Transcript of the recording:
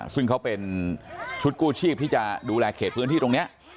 ซึ่งเขาเป็นชุดกู้ชีพที่จะดูแลเขตพื้นที่ตรงนี้